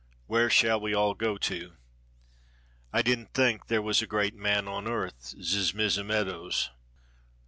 Where shall we all go to? I dinn't think there was great a man on earth z Mizza Meadows.